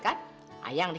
tante mengiahkan makanan kamu